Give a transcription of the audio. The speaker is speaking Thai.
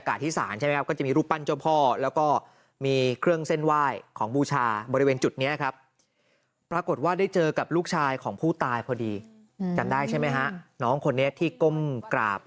ไกลฟุตรเมศลูกชายผู้ตายอายุ๑๗ปีครับ